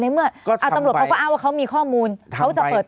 เมื่อตำรวจเขาก็อ้างว่าเขามีข้อมูลเขาจะเปิด